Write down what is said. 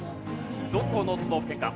どこの都道府県か？